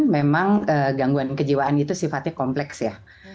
memang gangguan kejiwaan itu sifatnya kompleks ya